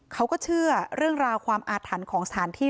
เขาก็เชื่อเรื่องราวความอาถรรพ์ของสถานที่